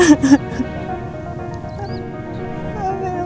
nih kan keren